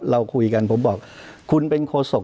เราคุยกันผมบอกคุณเป็นโคศก